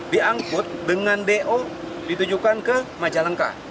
diangkut dengan do ditujukan ke majalengka